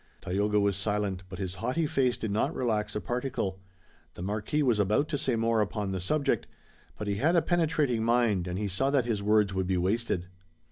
Tayoga, was silent, but his haughty face did not relax a particle. The Marquis was about to say more upon the subject, but he had a penetrating mind and he saw that his words would be wasted.